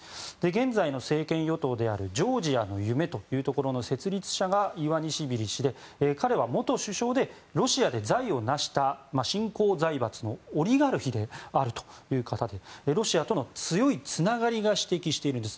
現在の政権与党であるジョージアの夢というところの設立者がイワニシビリ氏で彼は元首相でロシアで財をなした新興財閥のオリガルヒであるという方でロシアとの強いつながりを指摘しているんです。